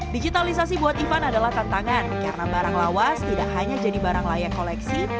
digitalisasi buat ivan adalah tantangan karena barang lawas tidak hanya jadi barang layak koleksi